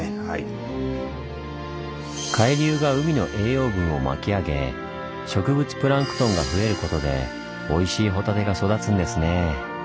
海流が海の栄養分を巻き上げ植物プランクトンが増えることでおいしいホタテが育つんですねぇ。